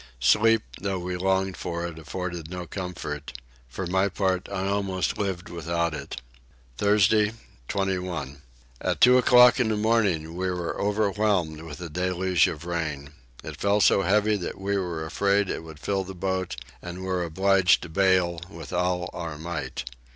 Sleep, though we longed for it, afforded no comfort: for my own part I almost lived without it. Thursday 21. About two o'clock in the morning we were overwhelmed with a deluge of rain. It fell so heavy that we were afraid it would fill the boat, and were obliged to bale with all our might.